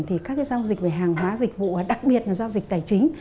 thì các cái giao dịch về hàng hóa dịch vụ đặc biệt là giao dịch tài chính